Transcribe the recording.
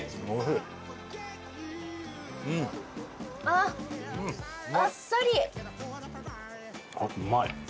あっうまい。